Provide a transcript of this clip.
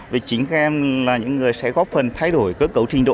vì chính các em là những người sẽ góp phần thay đổi cơ cấu trình độ